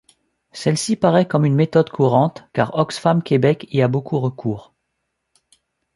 Celle-ci paraît comme une méthode courante, car Oxfam-Québec y a beaucoup recours.